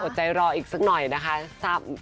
ใจรออีกสักหน่อยนะคะ